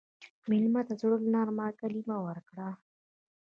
مېلمه ته د زړه نرمه کلمه ورکړه.